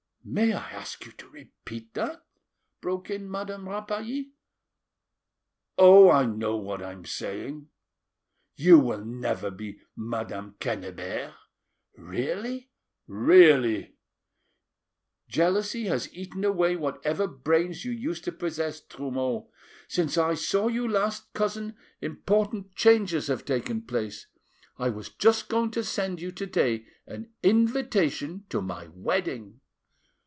'" "May I ask you to repeat that?" broke in Madame Rapally "Oh! I know what I am saying. You will never be Madame Quennebert." "Really?" "Really." "Jealousy has eaten away whatever brains you used to possess, Trumeau. Since I saw you last, cousin, important changes have taken place: I was just going to send you to day an invitation to my wedding."